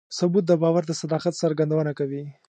ثبوت د باور د صداقت څرګندونه کوي.